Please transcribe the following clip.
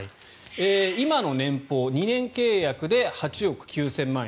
今の年俸２年契約で８億９０００万円